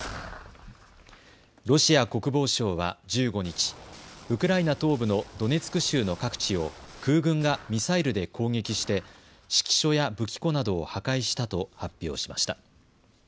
ロシア国防省は１５日ウクライナ東部のドネツク州の各地を空軍がミサイルで攻撃して指揮所や武器庫などを破壊したと発表しました。